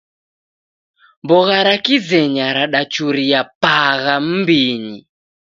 Mbogha ra Kizenya radachuria pagha mmbinyi